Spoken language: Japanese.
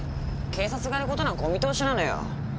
警察がやる事なんかお見通しなのよ。